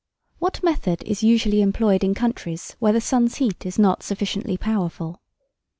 What method is usually employed in countries where the sun's heat is not sufficiently powerful?